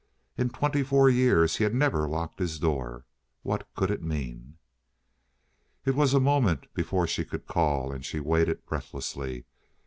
In twenty four years he had never locked his door. What could it mean? It was a moment before she could call, and she waited breathlessly.